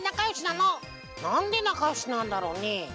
なんでなかよしなんだろうね？